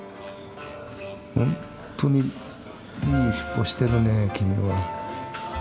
本当にいい尻尾してるねえ君は。